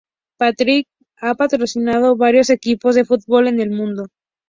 Patrick ha patrocinado varios equipos de fútbol en el mundo.